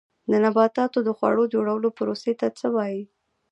د نباتاتو د خواړو جوړولو پروسې ته څه وایي